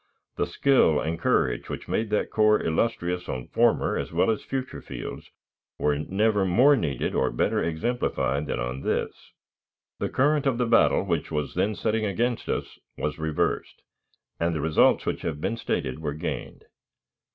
The skill and courage which made that corps illustrious on former as well as future fields were never more needed or better exemplified than on this. The current of the battle which was then setting against us was reversed, and the results which have been stated were gained.